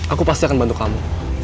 aku pasti akan bantu kamu